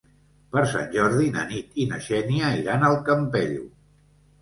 Per Sant Jordi na Nit i na Xènia iran al Campello.